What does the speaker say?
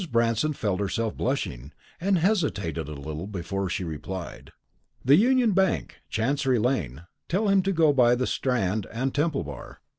Branston felt herself blushing, and hesitated a little before she replied. "The Union Bank, Chancery lane. Tell him to go by the Strand and Temple bar."